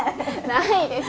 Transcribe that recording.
ないですよ。